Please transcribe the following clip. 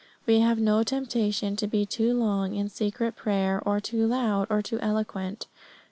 We have no temptation to be too long in secret prayer, or too loud, or too eloquent.